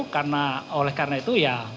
karena oleh karena itu ya